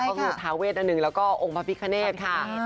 เป็นความท้าเวทนั่นหนึ่งแล้วก็องค์ปราพิกขณฑค่ะ